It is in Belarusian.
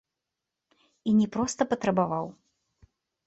І не проста патрабаваў.